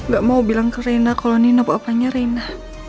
gak mau bilang ke reina kalau nina bapaknya reina